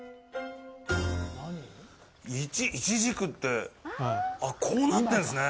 イチジクってこうなってるんですね。